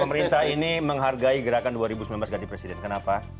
pemerintah ini menghargai gerakan dua ribu sembilan belas ganti presiden kenapa